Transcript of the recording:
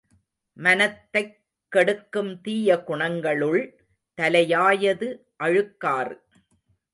மனத்தைக் கெடுக்கும் தீய குணங்களுள் தலையாயது அழுக்காறு.